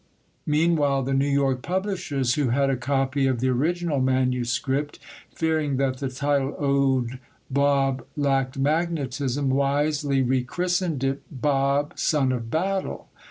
Meanwhile, the New York publishers, who had a copy of the original manuscript, fearing that the title Owd Bob lacked magnetism, wisely rechristened it Bob, Son of Battle.